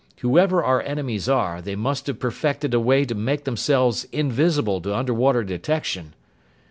"Whoever our enemies are, they must have perfected a way to make themselves invisible to underwater detection.